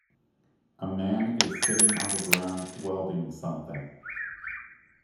A man is sitting on the ground welding something.